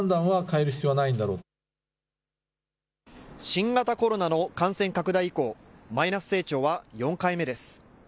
新型コロナの感染拡大以降、マイナス成長は４回目です。